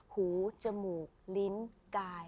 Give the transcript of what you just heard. หูจมูกลิ้นกาย